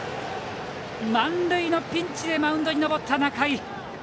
満塁のピンチでマウンドに登った仲井。